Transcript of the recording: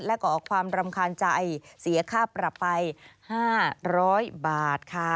และก่อความรำคาญใจเสียค่าปรับไป๕๐๐บาทค่ะ